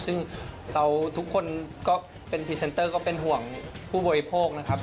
ซึ่งเราทุกคนก็เป็นพรีเซนเตอร์ก็เป็นห่วงผู้บริโภคนะครับ